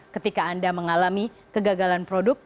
ketika anda mengalami kegagalan produk